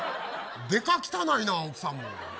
でか汚いな、奥さんも。